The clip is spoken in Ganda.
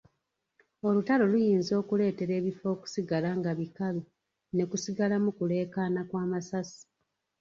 Olutalo luyinza okuleetera ebifo okusigala nga bikalu ne bisigalamu kuleekaana kw'amasasi.